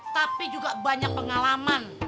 tapi juga banyak pengalaman